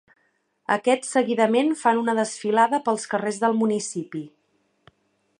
Aquests seguidament fan una desfilada pels carrers del municipi.